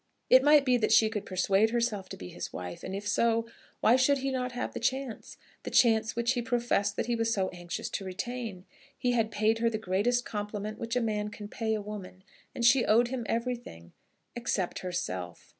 It might be that she could persuade herself to be his wife; and if so, why should he not have the chance, the chance which he professed that he was so anxious to retain? He had paid her the greatest compliment which a man can pay a woman, and she owed him everything, except herself.